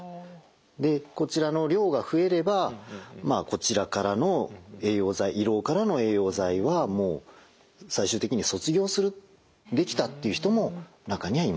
でこちらの量が増えればまあ胃ろうからの栄養剤はもう最終的に卒業するできたっていう人も中にはいます。